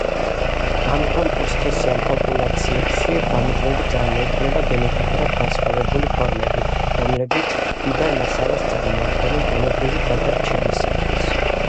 ამიტომ ორსქესიან პოპულაციებში გამუდმებით წარმოიქმნება გენეტიკურად განსხვავებული ფორმები, რომლებიც მდიდარ მასალას წარმოადგენენ ბუნებრივი გადარჩევისათვის.